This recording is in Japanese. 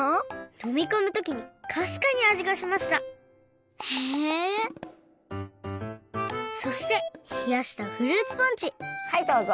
のみこむときにかすかにあじがしましたへえそしてひやしたフルーツポンチはいどうぞ。